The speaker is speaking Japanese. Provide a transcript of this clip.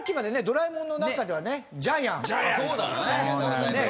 『ドラえもん』の中ではねジャイアンでしたからね。